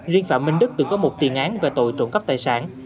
riêng phạm minh đức từng có một tiền án về tội trộm cắp tài sản